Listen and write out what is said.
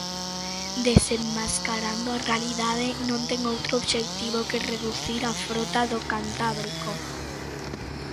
Desenmascarando a realidade, non ten outro obxectivo que reducir a frota do Cantábrico.